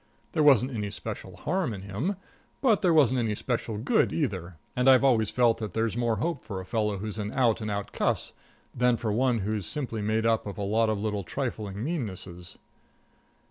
There wasn't any special harm in him, but there wasn't any special good, either, and I always feel that there's more hope for a fellow who's an out and out cuss than for one who's simply made up of a lot of little trifling meannesses.